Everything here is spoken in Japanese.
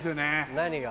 何が？